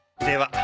では。